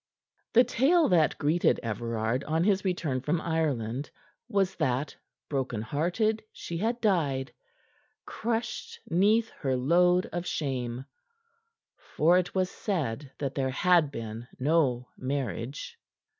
The tale that greeted Everard on his return from Ireland was that, broken hearted, she had died crushed neath her load of shame. For it was said that there had been no marriage.